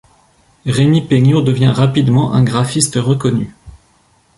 Rémy Peignot devient rapidement un graphiste reconnu.